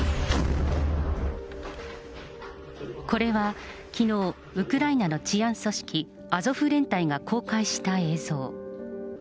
これはきのう、ウクライナの治安組織、アゾフ連隊が公開した映像。